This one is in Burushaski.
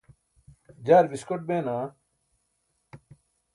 jaar biskoṭ bee naa